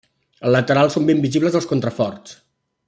Al lateral són ben visibles els contraforts.